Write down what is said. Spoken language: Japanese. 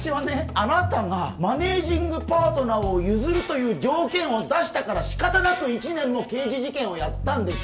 あなたがマネージングパートナーを譲るという条件を出したから仕方なく１年も刑事事件をやったんです